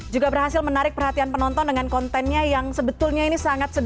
juga berhasil menarik perhatian penonton dengan kontennya yang sebetulnya ini sangat sederhana